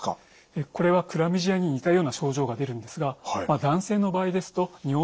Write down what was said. これはクラミジアに似たような症状が出るんですが男性の場合ですと尿道炎の症状。